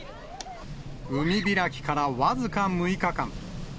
海開きから僅か６日間。